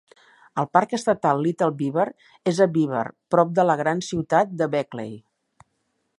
El Parc Estatal Little Beaver és a Beaver, prop de la gran ciutat de Beckley.